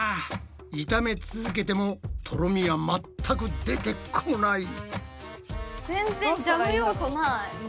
炒め続けてもとろみは全く出てこない。